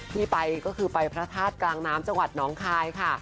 ที่ไปก็คือไปพระธาตุกลางน้ำจังหวัดน้องคายค่ะ